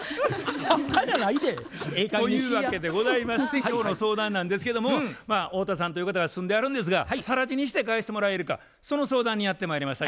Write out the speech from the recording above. というわけでございまして今日の相談なんですけども太田さんという方が住んではるんですが更地にして返してもらえるかその相談にやってまいりました。